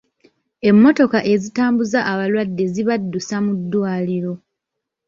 Emmotoka ezitambuza abalwadde zibaddusa mu ddwaliro.